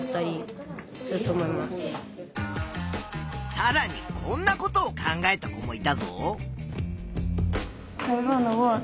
さらにこんなことを考えた子もいたぞ。